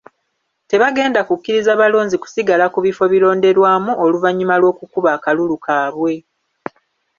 Tebagenda kukkiriza balonzi kusigala ku bifo bironderwamu oluvannyuma lw’okukuba akalulu kaabwe.